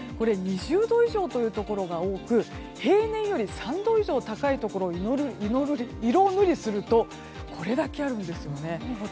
２０度以上というところが多く平年より３度以上高いところを色塗りするとこれだけあるんですよね。